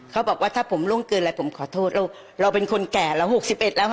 เขาบอกว่าถ้าผมร่วงเกินแล้วผมขอโทษเราเราเป็นคนแก่เราหกสิบเอ็ดแล้ว